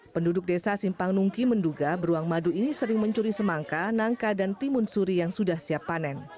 penduduk desa simpang nungki menduga beruang madu ini sering mencuri semangka nangka dan timun suri yang sudah siap panen